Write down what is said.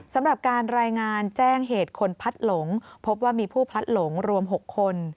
สำหรับการรายงานแจ้งเหตุคนพัดหลงพบว่ามีผู้พลัดหลงรวม๖คน